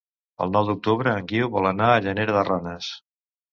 El nou d'octubre en Guiu vol anar a Llanera de Ranes.